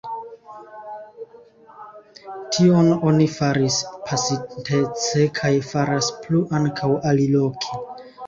Tion oni faris pasintece kaj faras plu ankaŭ aliloke.